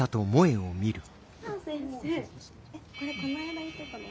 先生これこの間言ってたの。